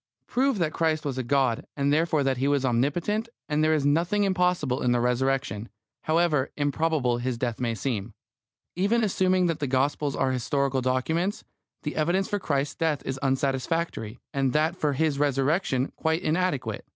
Prove that Christ was God, and therefore that He was omnipotent, and there is nothing impossible in the Resurrection, however improbable His death may seem. Even assuming that the Gospels are historical documents, the evidence for Christ's death is unsatisfactory, and that for His Resurrection quite inadequate.